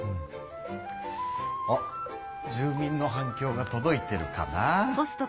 あ住民の反きょうがとどいてるかな。